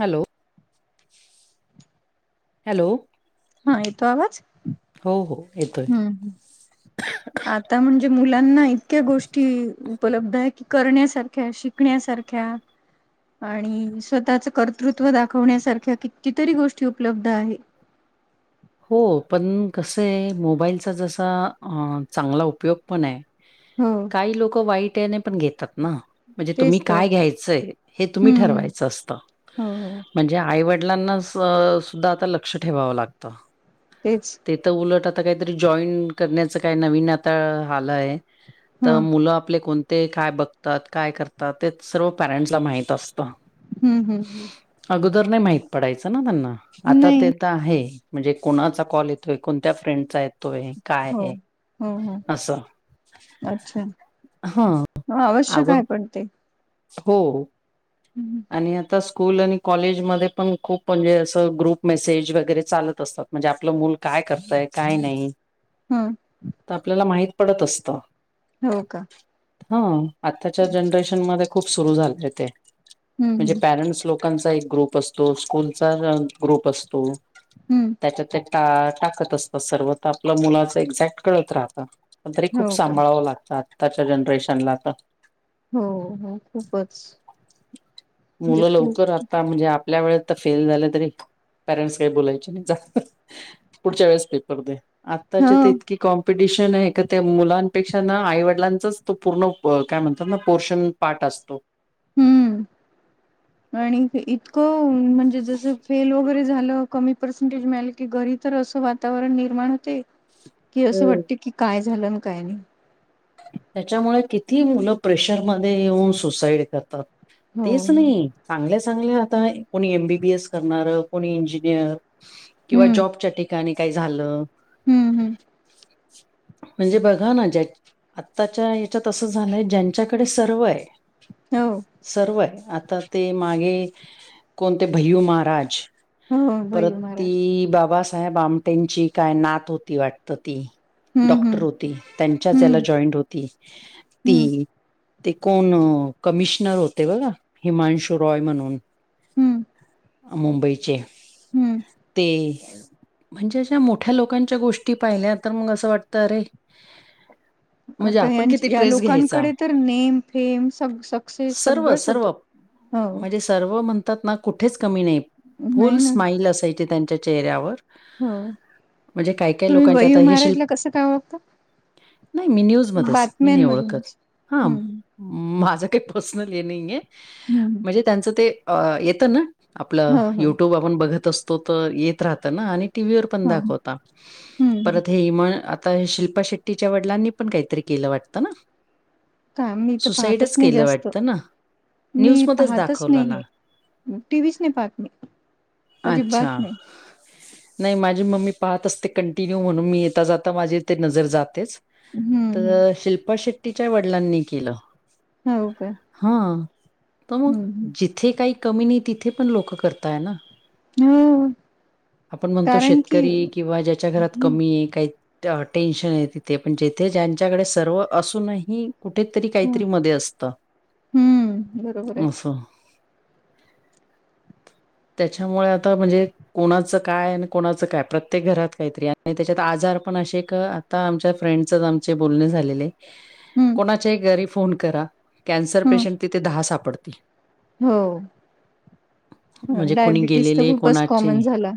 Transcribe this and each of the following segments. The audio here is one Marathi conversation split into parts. हॅलो, हॅलो हा येतोय आवाज? हो, हो. येतोय हम्म, हम्म. आता म्हणजे मुलांना इतक्या गोष्टी, उपलब्ध आहे की करण्यासारख्या अशी टिकण्यांसारख्या आणि स्वंतःच कर्तृत्व दाखवण्यांसारख्या कितीतरी गोष्टी उपलब्ध आहेतं हो पणं कसं आहे मोबाईलचा जसां चांगला उपयोग पणं आहे हम्मं कांहीं लोकं वाईट यांने पणं घेतांत नां म्हणजे तेच तुम्हीं तर कायं घ्यायचंय हे तुम्हीं हम्म हम्म ठरवायचं असतं हो हो म्हणजे आईवडिलांनाच सुद्धां आंता लंक्ष ठेवावं लागतं तेचं ते तरं उलटं आंता कांहीतरी जॉईन करण्याचं कायं नवीन आंता आलंय हा तरं मुलं आपले कोणते कायं बघतांत कायं करतांत ते सर्व पॅरेंट्सला माहित असतं हम्मं हम्मं हम्मं अगोदर नाहीं माहित पडायचं नां त्यांना आंता नाही ते तरं आहे म्हणजे कोणानचा कॉल येतोय कोणत्यां फ्रेंडचा येतोय कायं हो आहे हो हो असं अच्छा हा हो आवश्यक अगो आहे पणं ते हो हम्मं आणि आंता स्कूंल आणि कॉलेजमध्यें पणं खूंप म्हणजे असं ग्रुप मेसेज वगैरें चालतं असतांत म्हणजे आपलं मूलं कायं करतंय कायं नाहीं हम्मं तरं आपल्यांला माहीत पडतं असतं हो कां हां आत्तांच्या जनरेशन मध्यें खूंप सुरूं झाले ते हम्म म्हणजे हम्म पॅरेंट्स लोकांचा एक ग्रुप असतो स्कूंलच्या ग्रुप असतो. हम्मं. त्यांच्यात ते टाकतं असतांत सर्व तरं आपल्या मुलाचं एक्झॅक्ट कळतं राहतं. पणं तरी खूंप हो का सांभाळावं लागतं आत्तांच्या जनरेशनला तरं हो हो खूपचं. मुलं लवकरं आंता म्हणजे आपल्या वेळेेत तरं फेल झालं तरी पॅरेंट्स कांहीं बोलायचे नाही जातं. पुढच्यां वेळेस पेपर दे ह आंताचे तरं इतकी कॉम. कॉम्पिटिशन आहे त्यां मुलांपेक्षा नां आईवडिलांचाच तो पूर्ण कायं म्हणतांत नां पोर्शन पाप्ट असतो. हम्मं आणि इतकं म्हणजे जसं. फेल वगैरें झालं कमी पर्सेंटेज मिळालं की घरी तरं असं वातांवरण निर्माण होते कि असं हम्म. वाटते की कायं झालं कायं नाहीं त्यांच्यामुळे किती मुलं प्रेशरमध्ये येऊन सुसाईड करतात. हो तेचं नाहीं चांगल्या चांगल्या आंता कोणी एमबीबी एस करणारं कोणी इंजिनियर. किंवा जॉबच्या ठिकाणीं कायं झालं. हम्मं हम्मं. म्हणजे बघां नां ज्याची आत्तांच्या यांच्यात असं झालंय ज्यांच्याकडे सर्व आहे हो. सर्व आहे आंता ते मागे कोणते भैय्यू महारांज. हो भैयू परंत महाराज ती बाबां. आटेची कायं नातं होती वाटतं ती हम्म हम्म डॉक्टर होती त्यांच्या हम्म जॉईंट होती हम्म ती. ते कोण कमिशनर होते बघा हिमांशू रॉय म्हणून हम्म मुंबईचे हम्म ते म्हणजे अश्या मोठ्या लोकांच्या गोष्टी पाहिल्या तर मग असं वाटतं अरे म्हणजे आता आपण किती यांचे यां ट्रेस घ्यायचा लोकांकडे तर नेम फेम स सक्सेस सर्व सगळंच होतं. सर्व हो. म्हणजे सर्व म्हणतात ना कुठेच कमी नाही नाही फुल ना स्माईल असायची त्यांच्या चेहऱ्यावर. हो म्हणजे काय-काय तुम्ही लोकांचे भैयू आता हे महाराजला शिल्प कसं काय वागतं? नाही मी न्यूज मध्येच मी नाही ओळखत बातम्यांमधूनच हां. हम्म माझं काही पर्सनल हे नाही आहे हम्म म्हणजे त्यांचं ते आ येतं ना आपलं हो हो युट्यूब आपण बघत असतो तर येत राहतं ना आणि टी व्ही वर पण हो दाखवता हम्म परत हे मग आता हे शिल्पा शेट्टीच्या वडी लांनी पण काहीतरी केलं वाटतं ना. ता मी तर पाहतच सुसाईडच नाही केलं जास्त. वाटतं ना? मी न्यूजमध्येच पाहतच नाही दाखवलं ना? हे टी व्ही च नाही पाहत मी. आजिबात अच्छा. नाय. नाही माझी मम्मी पाहत असते कंटिन्यू म्हणून मी येेता जाता माझी ते नजर जातेच. हम्म. तर हम्म शिल्पा शेट्टीच्या वडिलांनी केलं. हाव काय? हा तर मग जिथे काही कमी नाही तिथे पण लोकं करताय ना. हो आपण म्हणतो कारण की शेतकरी किंवा ज्याच्या घरात कमी आहे काही टेन्शन आहे तिथे पण जिथे ज्यांच्याकडे सर्व असूनही कुठेत तरी काहीतरी हम्म मध्ये असतं बरोबर आहे असं. [inaudible] त्याच्यामुळे आता म्हणजे कोणाचं काय आणि कोणाचं काय प्रत्येक घरात काहीतरी आणि त्याच्यात आजार पण अशे एक आता आमच्यात फ्रेंड्सचाच आमचे बोलणे झालेले हम्म कोणाच्याही घरी फोन करा कॅन्सर हम्म पेशंट तिथे दहा सापडतील. हो म्हणजे कुणी डायबिटीस तर गेलेले खूपच कोणाचे कॉमन झाला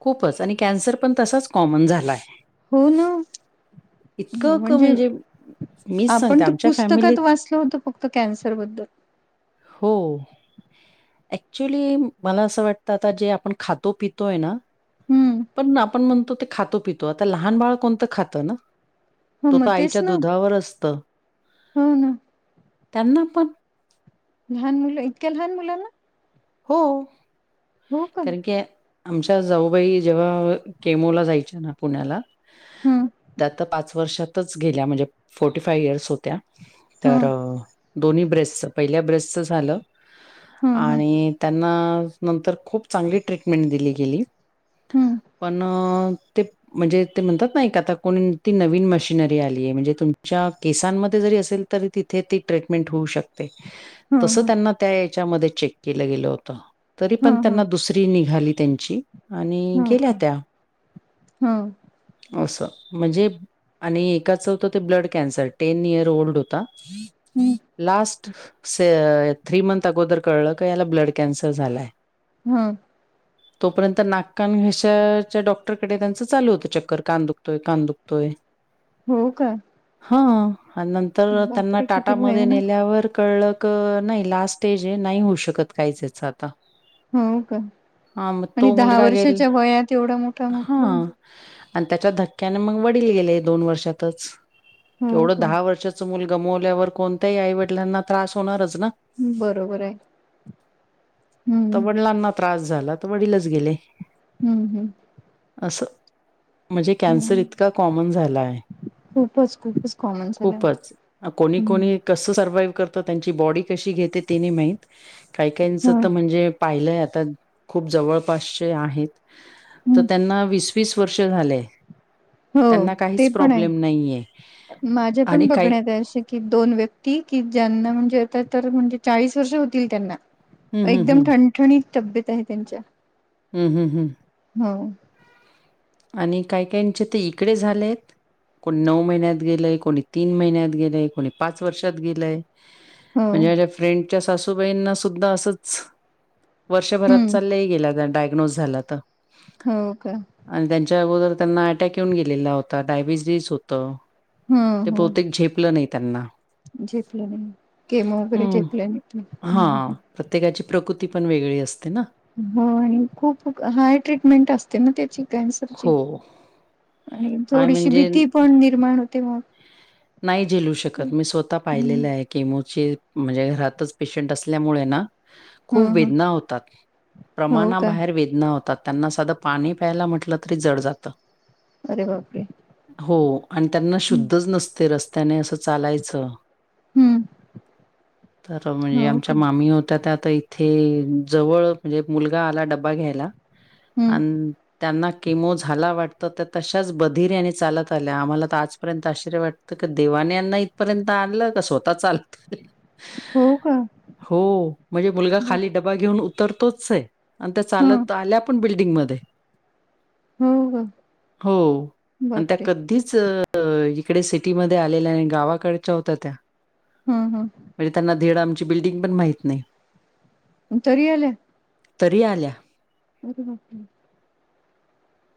खूपच आणि कॅन्सर पण तसाच कॉमन झाला आहे. हो ना. इतकं क म्हणजे मीच आपण सांगते ते आमच्या फॅमिलीत पुस्तकात वाचल होतं फक्त कॅन्सर बद्दल. हो. ऍक्च्युली मला असं वाटतं आता जे आपण खातो पितोय ना हम्म पण आपण म्हणतो ते खातो पितो आता लहान बाळ कोणतं खातं ना हो तो तर मग तेच आईच्या ना दुधावर असतं हो ना त्यांना पण. लहान मुलं इतक्या लहान मुलांना. हो. हो का कारण की आमच्या जाऊबाई जेव्हा केमोला जायच्या ना पुण्याला हां. त्या तर पाच वर्षातच गेल्या म्हणजे फोर्टी फायव्ह इयर्स होत्या तर हम्म दोन्ही ब्रेसचं पहिल्या ब्रेसचा झालं हम्म हम्म आणि त्यांना नंतर खूप चांगली ट्रीटमेंट दिली गेली हम्म पण ते म्हणजे ते म्हणतात नाही का, आता कोणती नवीन मशिनरी आली आहे. म्हणजे तुमच्या केसांमध्ये जरी असेल. तरी तिथे, ती ट्रीटमेंट होऊ शकते. [inaudible] तस, त्यांना त्या याच्यामध्ये चेक केलं गेलं होत. तरी पण हम्म हम्म त्यांना दुसरी निघाली. त्यांची आणि हो गेल्या का, हम, अस म्हणजे आणि एकाच होत. ते blood cancer ten year old होता. हम्म लास्ट स, थ्री मंथ अगोदर कळलं का याला ब्लड कॅन्सर झालाय. हम, तोपर्यत नाक कान घशाच्या डॉक्टरकडे त्यांच चालू होत. चक खर, कान दुखतोय, कान दुखतोय. हो का, हा, नंतर त्यांना बापरे किती टाटामध्ये भयानक नेल्यावर कळलं. क नाही. लास्ट एज नाही होऊ शकत. काहीच ह्याच आता हो, काय हा मग आणि तो दहा मुलगा गेल वर्षाच्या वयात एवढा मोठ हा म्हटलं म्हणजे आणि त्याच्या धक्क्याने मग वडील गेले, दोन वर्षातच हो एवढं का दहा वर्षच च मुलगा गमवल्यावर कोणत्याही आईवडिलांना त्रास होणारच ना. हम्म, बरोबर आहे. तर हम्म वडिलांना त्रास झाला, तर वडीलच गेले. हम्म हम्म, असं म्हणजे कॅन्सर हम्म इतका कॉमन झालाय. खूपच खूपच कॉमन झालंय खूपच कोणी, हम्म कोणी कस सर्वइव्ह करत, त्यांची बॉडी कशी घेते ते नाही. माहीत काही काहीच तर हम्म म्हणजे पाहिलंय आता खूप जवळपासचे आहेत. तर त्यांना वीस वीस वर्ष झाले. हो त्यांना ते काहीच पण आहेत. प्रॉब्लेम नाहीये माझ्या पण आणि काही बघण्यात आहे. असे कि, दोन व्यक्ती कि ज्यांना म्हणजे आता तर म्हणजे चाळीस वर्ष होतील. त्यांना हं हं एकदम हं. ठणठणीत तब्येत आहे. त्यांच्या हम्म हम्म हम्म, हो, आणि काय काय चे, तर इकडे झालेत. कोणी नऊ महिन्यात गेलय, कोणी तीन महिन्यात गेलय, कोणी पाच वर्षात गेलय. हो म्हणजे माझ्या फ्रेंडच्या सासूबाईना सुद्धा असच हम्म वर्षभराचा लई गेला, डायग्नोज झाला आता हो का, आणि त्यांच्या अगोदर त्यांना अटॅक येऊन गेलेला होता. डायबिटीस होत. हो ते, बहुतेक झेपल नाही त्यांना झेपल नाही, किमो वगैरे हं. झेपल नाही. हां, प्रत्येकाची प्रकृती पण वेगळी असते ना, हो आणि खूप हाय ट्रीटमेंट असते. ना त्याची कॅन्सरची हो. आणि हाय थोडीशी म्हणजे भीती पण निर्माण होते. मग नाही झेलू शकत. मी स्वतः हम्म. पाहिलेलं आहे. किमोचे म्हणजे घरातच पेशंट असल्यामुळे ना, हा खूप हा वेदना होतात हो का प्रमाणाबाहेर वेदना होतात त्यांना साद पाणी प्यायला म्हटलं तरी जड जातं. अरे बापरे. हो आणि त्यांना हम्म शुद्धच नसते रस्त्याने असं चालायचं. हम्म. तर म्हणजे हो का आमच्या मामी होत्या त्या ताय थे जवळ म्हणजे मुलगा आला डबा घ्यायला हम्म आण त्यांना किमो झाला वाटतं त्या तशाच बधिऱ्याने चालत आल्या आम्हाला तर आजपर्यंत आश्चर्य वाट त -का देवाने यांना इथपर्यंत आणलं का स्वतः चालत. हो का. हो म्हणजे मुलगा बाप खाली डबा घेऊन उतरतोच ए. आणि त्या हा चालत आल्या पण बिल्डिंगमध्ये. [unintelligible] हो आणि त्या बापरे कधीच तर इकडे सिटीमध्ये आलेल्या नाय गावाकडच्या होत्या त्या. हा हा. म्हणजे त्यांना धीड आमची बिल्डिंग पण माहीत नाय. म तरीही आल्या? तरीही आल्या? अरे बापरे.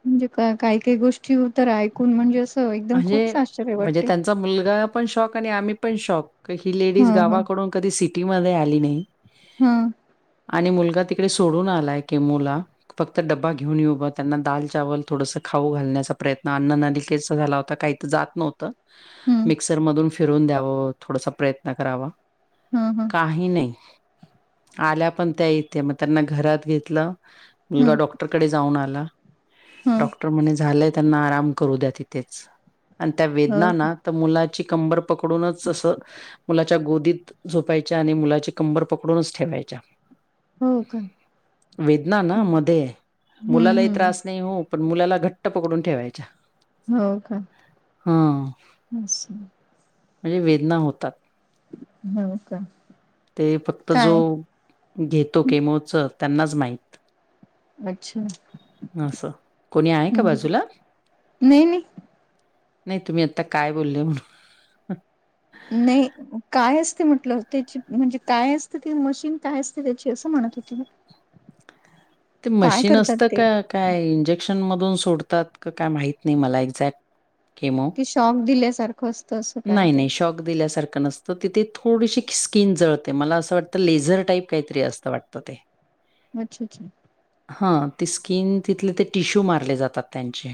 म्हणजे का- काय काय गोष्टी हो तर ऐकून म्हणजे असं एकदम खूप आश्चर्य वाटतय. चा मुलगा पण शौक आणि आम्ही पण शौक का ही लेडीज हा हा गावाकडून कधी सिटीमध्ये आली नाही. हा. आणि मुलगा तिकडे सोडून आलाय केमोला. फक्त डब्बा घेऊन येऊ बा त्यांना दाल चावल थोडसं खाऊ घालण्याचा प्रयत्न अन्ननलिके त झाला होता काही त जात नव्हत हम्म मिक्सर मधून फिरून द्यावं थोडसा प्रयत्न करावा. हा हा. काही नाय आल्या पण त्या इथे म त्यांना घरात घेतलं. मुलगा हम्म डॉक्टरकडे जाऊन आला हा डॉक्टर म्हने झालाय त्यांना आराम करू द्या ति तेच आणि त्या वेदना हो ना तर मुलाची कंबर पकडूनच असं मुलाच्या गोदीत झोपायच्या आणि मुलाचे कंबर पकडूनच ठेवायच्या. हो का वेदना ना हम्म मध्ये मुलालाही हम्म त्रास नाही हो. पण मुलाला घट्ट पकडून ठेवायच्या. हो का? हा असं म्हणजे वेदना होतात. हो का? ते फक्त जो काय घेतो केमोच त्यांनाच माहीत. अच्छा आसं कोणी आहे का हम्म बाजूला? नाही नाही नाय तुम्ही आत्ता काय बोलले म्हणून नाही. काय असते म्हटलं त्याची म्हणजे काय असते ती मशीन काय असते त्याची असं म्हणत होती मी. ते काय मशीन करतात असतं ते का काय इंजेक्शन मधून सोडतात का काय माहत नाही मला एक्झॅक्ट. केमो की शॉक दिल्यासारखं असत असं काय नाही, ते? नाही. शॉक दिल्यासारखं नसतं तिथे थोडीशी स्किन जळते मला असं वाटतं लेझर टाईप कायतरी असतं वाटतं ते. अच्छा अच्छा. हा ते स्किन तिथले ते टिश्यू मारले जातात त्यांचे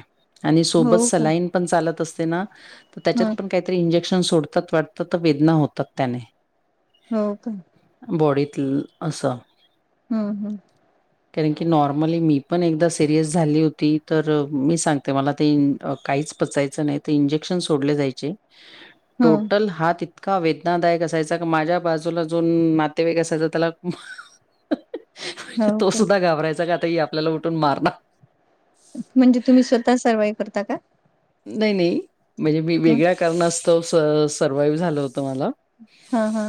आणि हो सोबत का सलाईन पण चालत असते ना? तर त्याच्यात हा पण काहीतरी इंजेक्शन सोडतात वाटत. तर वेदना होतात त्याने. हो का? बॉडी [unintelligible] अस. हम्म हम्म. कारण की नॉर्मली मी पण एकदा सिरियस झाली होती. तर मी सांगते मला ते काहीच पचायचं नाही. त इंजेक्शन सोडले जायचे- ह टोटल हात- तका वेदनादायक असायचा की, माझ्या बाजूला जो न नातेवाईक असायचा त्याला- हो तो का सुद्धा घाबरायचा. का आता आपल्याला ही उठून मारणार. म्हणजे तुम्ही स्वतः सर्वाइव्ह करता का? नाही नाही म्हणजे मी हं वेगळ्या कारणास्तव सर्वाइव्ह झालं होतं मला. हा हा.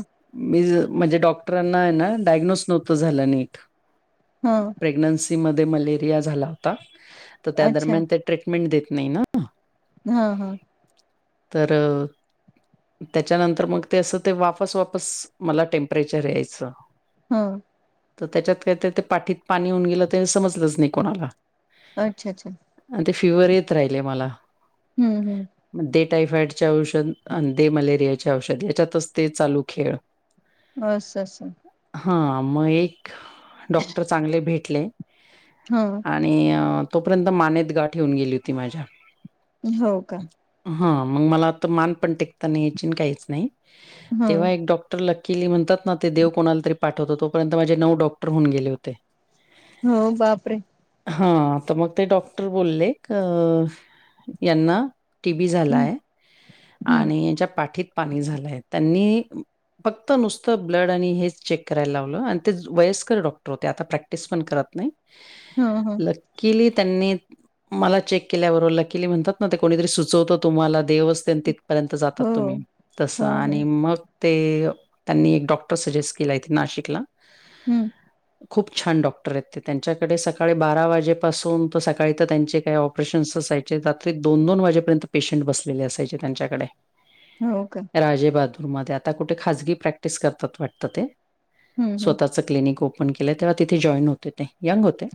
मी म्हणजे डॉक्टरांना आहे ना डायग्नोस नव्हतं झालं नीट. हा प्रेग्नन्सी मधे मलेरिया झाला होता. तर त्या अच्छा दरम्यान ते - ट्रीटमेंट देत नाही ना. हा हा. तर- त्याच्यानंतर मग ते असं ते, वापस वापस मला टेम्परेचर यायचं. हं. तर त्याच्यात काय तर ते पाठीत पाणी होऊन गेलं ते समजलंच नाही कोणाला. अच्छा अच्छा आणि ते फिवर येत राहिले मला. हम्म हम्म मग दे टायफाईडचे औषध आणि दे मलेरियाचे औषध याच्यातच ते चालू खेळ. अस्स. अस्स. हां. मग एक डॉक्टर चांगले भेटले. हां. आणि तोपर्यंत मानेत गाठ होवून गेली होती माझ्या. हो का हं. मग मला आता मान पण टेकता नाही यायची अन काहीच नाही. हा तेव्हा एक डॉक- -टर लक्कीली म्हणतात ना? ते देव कोणाला तरी पाठवतो. तोर्यंत माझे नऊ डॉक्टर होऊन गेले होते. हो. बापरे! हं. तर मग ते डॉक्टर बोलले का - यांना टी बी हम्म झालाय. हम्म आणि यांच्या पाठीत- पाणी झालंय. त्यांनी- फक्त नुसतं ब्लड आणि हेच चेक करायला लावलं. आणि ते वयस्कर डॉक्टर होते. आता प्रॅक्टिस पण करत नाही. हा हा. त्यांनी मला चेक केल्याब - म्हणतात ना? कोणीतरी सुचवतो तुम्हाला, देव च- तिथपर्यंत जातात हो तुम्ही तस हो हो आणि मग- ते त्यांनी एक डॉक्टर सजेस्ट केला इथे नाशिकला. हम्म. खूप छान डॉक्टर आहेत ते. त्यांच्याकडे सकाळी बारा वाजेपासून तर सकाळी तर त्यांचे काही ऑपरेशन्स असा - -यचे. रात्री दोन दोन वाजेपर्यंत पेशंट बसलेले असायचे त्यांच्याकडे. हो का? राजेबहाद्दूर मध्ये आता कुठे खाजगी प्रॅक्टिस करतात वाटत ते. हम्म हम्म स्वतःचं- चं क्लिनीक ओपन केल तेव्हा तिथे जॉईन होते ते यंग होते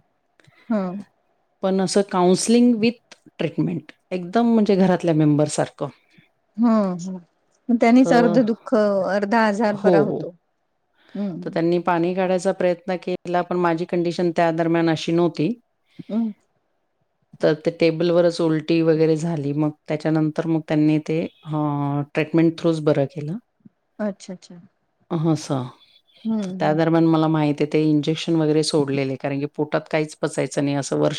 हा पण असं काउन्सलिंग विथ ट्रीटमेंट एकदम म्हणजे घरातल्या मेंबर सारखं. हू हू, पण त्यांनीच तर अर्ध दुःख अर्धा आजार हो. बरा होतो. तर हम्म त्यांनी पाणी काढायचा प्रयत्न केला पण माझी कंडिशन त्या दरम्यान आशी नव्हती. हू तर ते टेबलवरच उलटी वगैरे झाली मग त्याच्यानंतर मग त्यांनी ते हं ट्रेटमेंट थ्रूच बर केलं. अच्छा च्छा आस त्यादरम्यान मला माहिती आहे ते इंजेक्शन वगैरे सोडलेले आहे कारण की पोटात काहीच पचायचं नाही आसं वर्ष